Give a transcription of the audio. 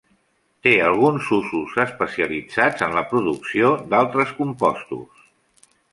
Té alguns usos especialitzats en la producció d'altres compostos.